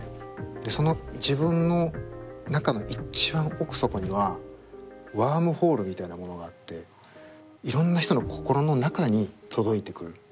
でその自分の中の一番奥底にはワームホールみたいなものがあっていろんな人の心の中に届いてくる。